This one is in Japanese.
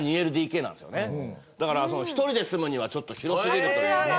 だから１人で住むにはちょっと広すぎるというか。